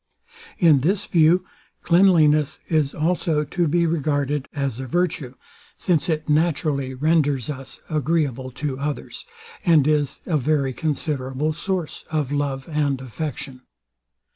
In this view, cleanliness is also to be regarded as a virtue; since it naturally renders us agreeable to others, and is a very considerable source of love and affection.